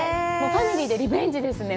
ファミリーでリベンジですね。